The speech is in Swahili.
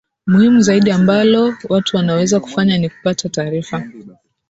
muhimu zaidi ambalo watu wanaweza kufanya ni kupata taarifa